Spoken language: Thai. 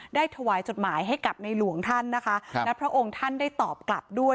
ถวายจดหมายให้กับในหลวงท่านนะคะและพระองค์ท่านได้ตอบกลับด้วย